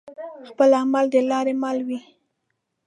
خپل عمل دلاري مل وي